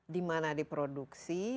di mana diproduksi